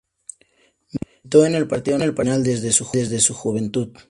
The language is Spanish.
Militó en el Partido Nacional desde su juventud.